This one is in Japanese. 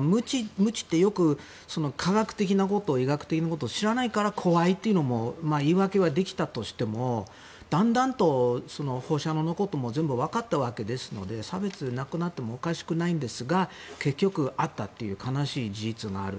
無知って、科学的なこと医学的なことを知らないから怖いっていう言い訳はできたとしてもだんだんと、放射能のことも全部分かったわけですので差別がなくなってもおかしくないんですが結局、あったという悲しい事実がある。